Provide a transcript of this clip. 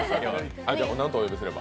なんとお呼びすれば？